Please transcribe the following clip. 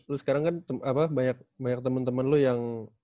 lu sekarang kan banyak temen temen lo yang